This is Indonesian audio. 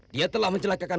dia telah mencelakakan